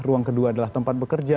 ruang kedua adalah tempat bekerja